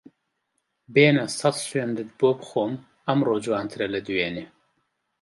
بێنە سەد سوێندت بۆ بخۆم ئەمڕۆ جوانترە لە دوێنێ